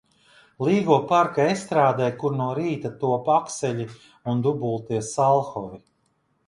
Līgo parka estrādē, kur no rīta top akseļi un dubultie salhovi.